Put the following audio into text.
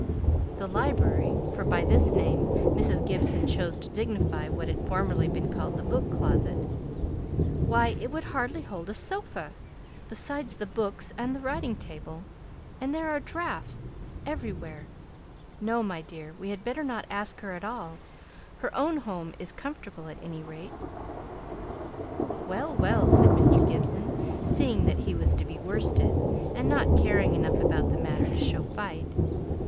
"The library," for by this name Mrs. Gibson chose to dignify what had formerly been called the book closet "why, it would hardly hold a sofa, besides the books and the writing table; and there are draughts everywhere. No, my dear, we had better not ask her at all, her own home is comfortable at any rate!" "Well, well!" said Mr. Gibson, seeing that he was to be worsted, and not caring enough about the matter to show fight.